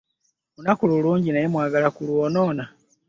Olunaku lulungi naye mwagala kulwonoona.